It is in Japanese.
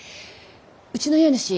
うちの家主